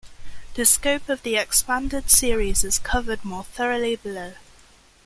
The scope of the expanded series is covered more thoroughly below.